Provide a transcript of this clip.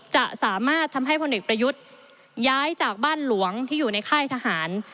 จะสามารถทำให้พลเอกประยุทธ์ย้ายจากบ้านหลวงที่อยู่ในค่ายทหาร